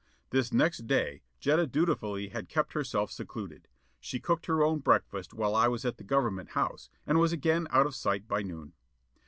This next day Jetta dutifully had kept herself secluded. She cooked her own breakfast while I was at the Government House, and was again out of sight by noon.